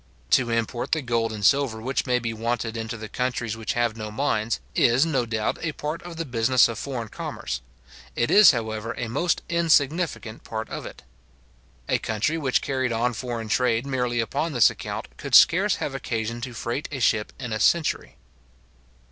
To import the gold and silver which may be wanted into the countries which have no mines, is, no doubt a part of the business of foreign commerce. It is, however, a most insignificant part of it. A country which carried on foreign trade merely upon this account, could scarce have occasion to freight a ship in a century.